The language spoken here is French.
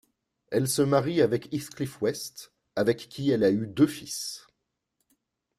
Elle se marie avec Heathcliff West avec qui elle a eu deux fils.